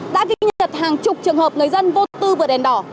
đã ghi nhận hàng chục trường hợp người dân vô tư vượt đèn đỏ